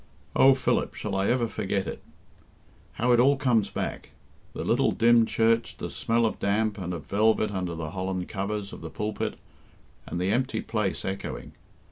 Oh, Philip, shall I ever forget it? How it all comes back the little dim church, the smell of damp and of velvet under the holland covers of the pulpit, and the empty place echoing.